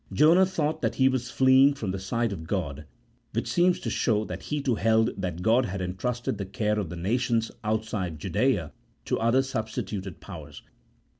Jonah thought that he was fleeing from the sight of God, which seems to show that he too held that God had entrusted the care of the nations outside Judaea to other substituted powers.